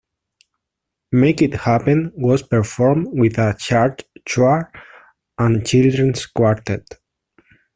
"Make It Happen" was performed with a church choir and children's quartet.